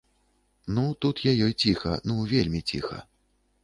Ну тут я ёй ціха, ну вельмі ціха.